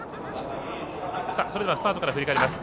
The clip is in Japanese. それではスタートから振り返ります。